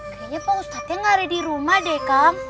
kayaknya pak ustadznya gak ada dirumah deh kang